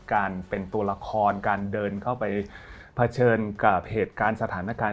การเป็นตัวละครการเดินเข้าไปเผชิญกับเหตุการณ์สถานการณ์